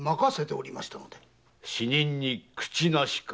「死人に口なし」か。